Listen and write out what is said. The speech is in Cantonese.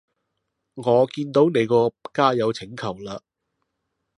我見到你個加友請求啦